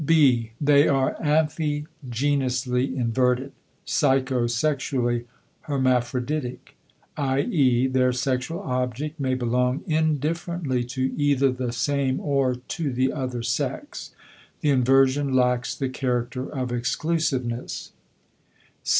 (b) They are amphigenously inverted (psychosexually hermaphroditic); i.e., their sexual object may belong indifferently to either the same or to the other sex. The inversion lacks the character of exclusiveness.